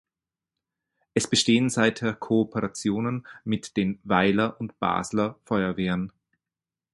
Es bestehen seither Kooperationen mit den Weiler und Basler Feuerwehren.